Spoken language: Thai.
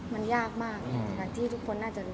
มันยากมากที่ทุกคนน่าจะรู้